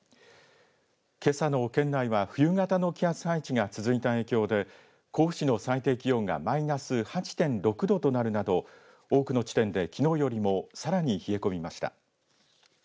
けさの県内は冬型の気圧配置が続いた影響で甲府市の最低気温がマイナス８．６度となるなど多くの地点で、きのうよりもさらに冷え込みました。